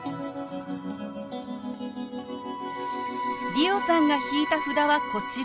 理央さんが引いた札はこちら。